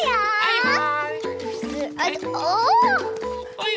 はい。